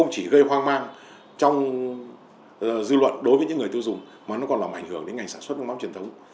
chỉ gây hoang mang trong dư luận đối với những người tiêu dùng mà nó còn làm ảnh hưởng đến ngành sản xuất nước mắm truyền thống